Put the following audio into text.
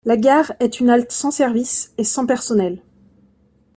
La gare est une halte sans service et sans personnel.